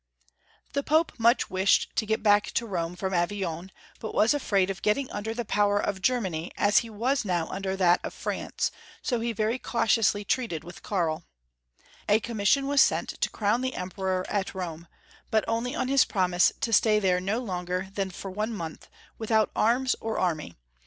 The Pope much wished to get back to Rome from Avignon, but was afraid of getting under the power of Germany as he was now under that of France, so he very cautiously treated with Karl. A commission was sent to crown the Emperor at Rome, but only on his promise to stay there no longer than for one month, without arms or army. 217 218 ' Young FoIIcb^ SRstory of Qtrmany.